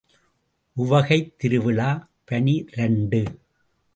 உவகைத் திருவிழா பனிரண்டு .